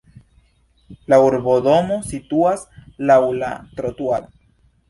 La urbodomo situas laŭ la trotuaro.